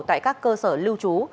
tại các cơ sở lưu trú